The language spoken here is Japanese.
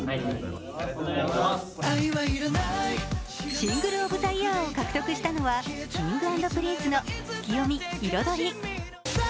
シングル・オブ・ザ・イヤーを獲得したのはＫｉｎｇ＆Ｐｒｉｎｃｅの「ツキヨミ／彩り」